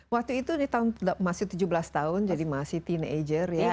waktu itu masih tujuh belas tahun jadi masih teenager ya